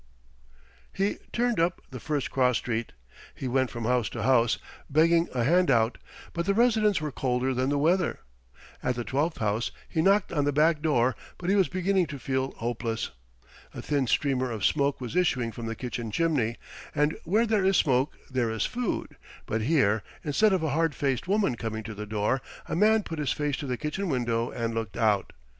He turned up the first cross street. He went from house to house begging a hand out, but the residents were colder than the weather. At the twelfth house he knocked on the back door, but he was beginning to feel hopeless. A thin streamer of smoke was issuing from the kitchen chimney, and where there is smoke there is food; but here, instead of a hard faced woman coming to the door, a man put his face to the kitchen window and looked out.